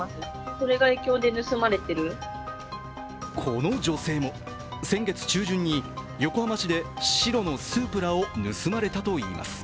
この女性も、先月中旬に横浜市で白のスープラを盗まれたといいます。